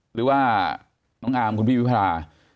หรือว่าน้องอาร์มคุณพี่วิพารา